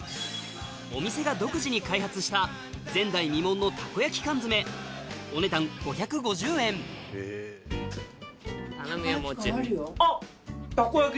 お店が独自に開発した前代未聞のたこやき缶詰お値段５５０円頼むよ